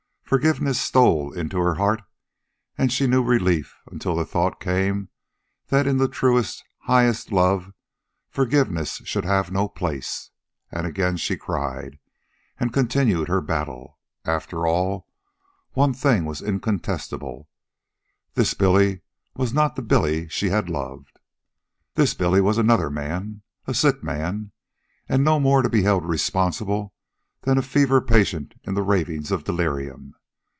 Forgiveness stole into her heart, and she knew relief until the thought came that in the truest, highest love forgiveness should have no place. And again she cried, and continued her battle. After all, one thing was incontestable: THIS BILLY WAS NOT THE BILLY SHE HAD LOVED. This Billy was another man, a sick man, and no more to be held responsible than a fever patient in the ravings of delirium.